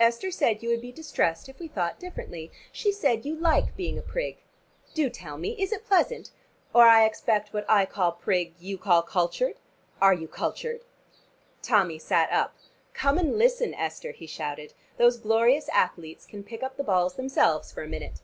Esther said you would be distressed if we thought differently. She said you like being a prig. Do tell me: is it pleasant? Or I expect what I call prig, you call cultured. Are you cultured?" Tommy sat up. "Come and listen, Esther," he shouted. "Those glorious athletes can pick up the balls themselves for a minute."